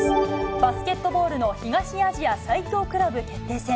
バスケットボールの東アジア最強クラブ決定戦。